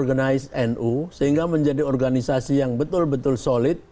organisasi nu sehingga menjadi organisasi yang betul betul solid